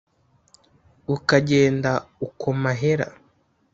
Bukagenda uko mahera: